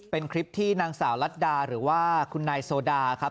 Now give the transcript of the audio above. เป็นคลิปที่นางสาวลัดดาหรือว่าคุณนายโซดาครับ